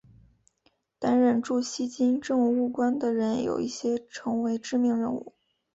担任驻锡金政务官的人有一些成为知名人物。